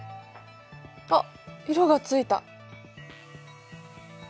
あっ色がついた。